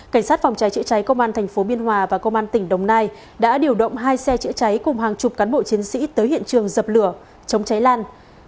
cảnh sát phòng cháy chữa cháy công an tp biên hòa và công an tỉnh đồng nai đã điều động hai xe chữa cháy cùng hàng chục cán bộ chiến sĩ tới hiện trường dập lửa chống cháy lan